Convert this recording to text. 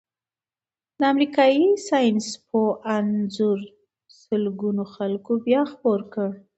د امریکايي ساینسپوه انځور سلګونو خلکو بیا خپور کړی.